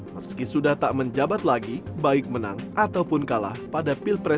meski sudah tak menjabat lagi baik menang ataupun kalah pada pilpres dua ribu sembilan belas